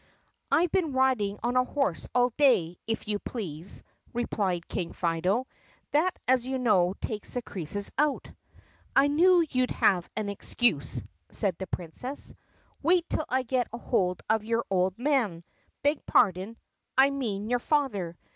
"I 've been riding on a horse all day, if you please," re plied King Fido. "That, as you know, takes the creases out." "I knew you 'd have an excuse," said the Princess. "Wait till I get hold of your old man — beg pardon, I mean your father.